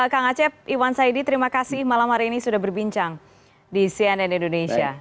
kak ngacep iwan saidie terima kasih malam hari ini sudah berbincang di cnn indonesia